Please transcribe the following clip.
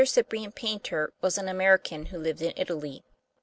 Cyprian Paynter was an American who lived in Italy.